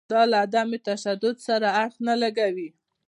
دا له عدم تشدد سره اړخ نه لګوي.